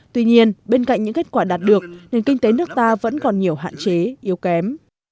tuy nhiên bên cạnh những kết quả đạt được nền kinh tế nước ta vẫn còn nhiều hạn chế yếu kém